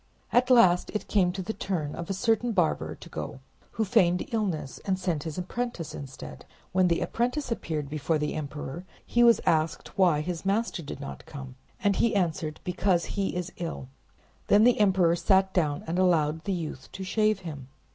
At last it came to the turn of a certain barber to go who feigned illness, and sent his apprentice instead. When the apprentice appeared before the emperor he was asked why his master did not come, and he answered, "Because he is ill." Then the emperor sat down, and allowed the youth to shave him.